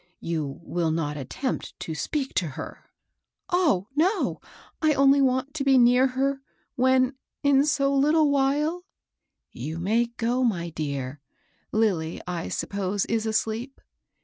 You will not attempt to speak to her ?"Oh, no I I only want to be near her, when, in so little while *'—" You may go, my dear. Lilly, I suppose is asleep?"